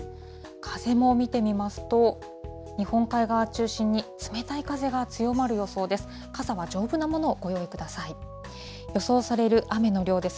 風も見てみますと、日本海側中心に冷たい風が強まる予想です。